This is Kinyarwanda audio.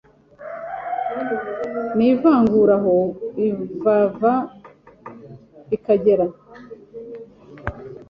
n’ivangura aho bivava bikagera: